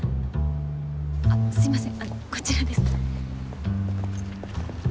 あっすいませんこちらです。